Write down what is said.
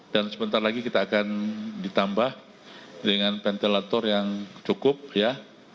dan sebentar lagi kita akan ditambah dengan ventilator yang cukup ya